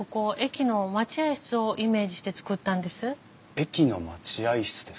駅の待合室ですか。